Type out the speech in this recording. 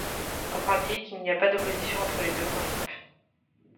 En pratique, il n'y a pas d'opposition entre les deux principes.